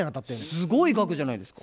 すごい額じゃないですか。